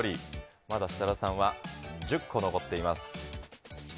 まだ設楽さんは１０個残っています。